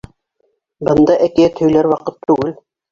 Бында әкиәт һөйләр ваҡыт түгел!